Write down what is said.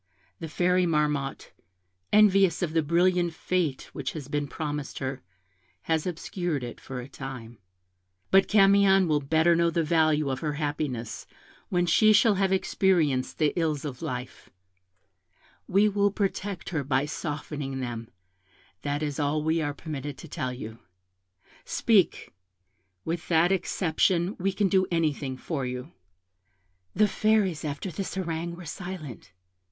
The Fairy Marmotte, envious of the brilliant fate which has been promised her, has obscured it for a time: but Camion will better know the value of her happiness when she shall have experienced the ills of life; we will protect her by softening them: that is all we are permitted to tell you. Speak; with that exception we can do anything for you.' "The Fairies, after this harangue, were silent.